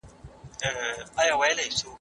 د ميرويس خان نيکه مشر زوی څوک و؟